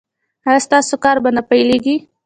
ایا ستاسو کار به نه پیلیږي؟